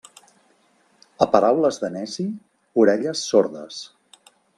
A paraules de neci, orelles sordes.